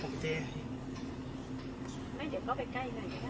มีมอสไซค์ด้วยเขาเฟรมครับครูจะเอาชัดรถจะชัดขึ้นมา